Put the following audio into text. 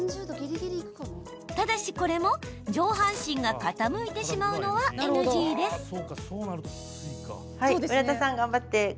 ただし、これも上半身が傾いてしまうのはＮＧです。